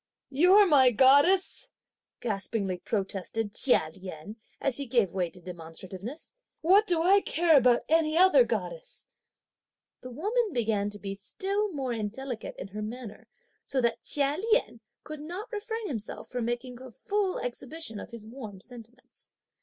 "You're my goddess!" gaspingly protested Chia Lien, as he gave way to demonstrativeness; "what do I care about any other goddess!" The woman began to be still more indelicate in her manner, so that Chia Lien could not refrain himself from making a full exhibition of his warm sentiments.